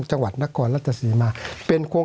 สวัสดีครับทุกคน